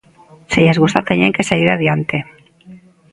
Se lles gusta teñen que seguir adiante.